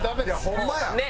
ホンマや。